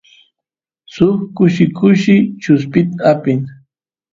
suk kushi kushi chuspita apin